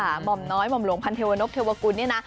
หม่อมน้อยหม่อมหลวงพันเทวนพเทวกุลเนี่ยนะ